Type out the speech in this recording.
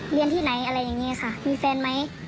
เรียนที่ไหนหรือยังไงครับมีเฟนมั้ย